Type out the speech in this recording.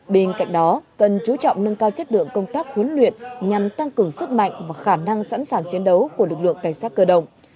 bên cạnh đó cần chú trọng nâng cao chất lượng công tác huấn luyện nhằm tăng cường sức mạnh và khả năng sẵn sàng chiến đấu của lực lượng cảnh sát cơ động